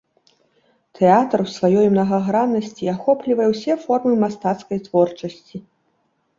Тэатр у сваёй мнагаграннасці ахоплівае ўсе формы мастацкай творчасці.